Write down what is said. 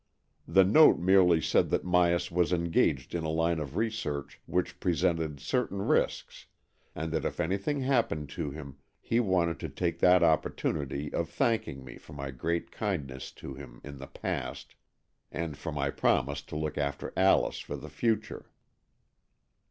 The note merely said that Myas was engaged in a line of research which presented certain AN EXCHANGE OF SOULS 99 risks, and that if anything happened to him he wanted to take that opportunity of thank ing me for my great kindness to him in the past, and for my promise to look after Alice for the future.